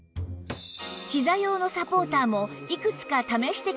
ひざ用のサポーターもいくつか試してきたそうですが